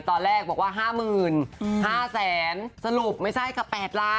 ตอนแรกบอกว่า๕๕๐๐๐สรุปไม่ใช่ค่ะ๘ล้าน